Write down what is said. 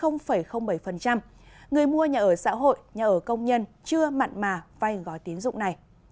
người mua nhà ở xã hội nhà ở công nhân chưa mặn mà vay gói tiến dụng này